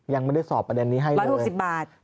ยังไม่ได้สอบประเด็นนี้ให้เลย